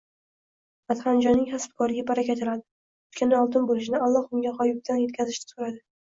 Adhamjonning kasb-koriga baraka tiladi, tutgani oltin boʻlishini, Alloh unga gʻoyibidan yetkazishini soʻradi